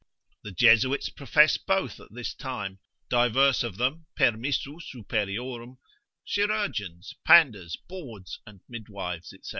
The Jesuits profess both at this time, divers of them permissu superiorum, chirurgeons, panders, bawds, and midwives, &c.